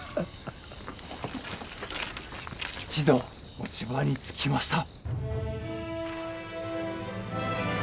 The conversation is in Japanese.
一同持ち場につきました。